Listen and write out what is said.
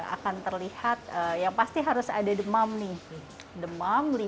akan terlihat yang pasti harus ada demam nih demam